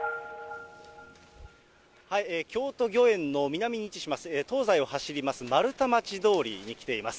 京都御苑の南に位置します、東西を走りますまるたまち通りに来ています。